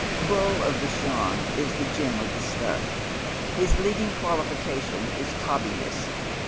Bull of Bashan is the gem of the stud. His leading qualifca' tion is cobbiness.